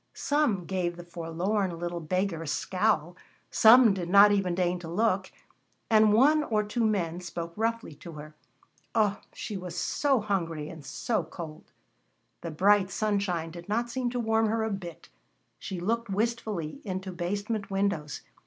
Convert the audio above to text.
Some gave the forlorn little beggar a scowl, some did not even deign to look, and one or two men spoke roughly to her. Oh! She was so hungry and so cold. [Illustration: "She came to a restaurant."] The bright sunshine did not seem to warm her a bit. She looked wistfully into basement windows.